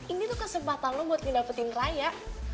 ini tuh kesempatan lo buat ngedapetin raya